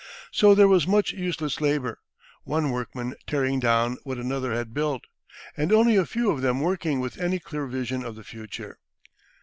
So there was much useless labor, one workman tearing down what another had built, and only a few of them working with any clear vision of the future.